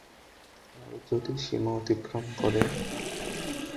আর যদি সীমা অতিক্রম করে?